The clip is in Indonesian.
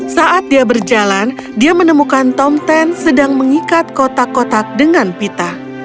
saat dia berjalan dia menemukan tom ten sedang mengikat kotak kotak dengan pita